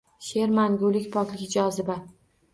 Sheʼr – mangulik, poklik, joziba.